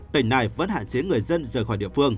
tỉnh này vẫn hạn chế người dân rời khỏi địa phương